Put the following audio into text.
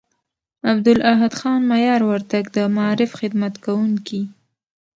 عبدالاحد خان مایار وردگ، د معارف خدمت کوونکي